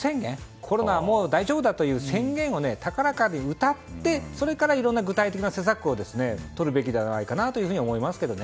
コロナはもう大丈夫だという宣言を高らかにうたって、それからいろんな具体的な施策をとるべきではないかなと思いますけどね。